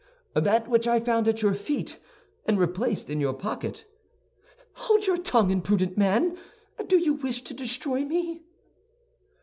"That which I found at your feet, and replaced in your pocket." "Hold your tongue, imprudent man! Do you wish to destroy me?"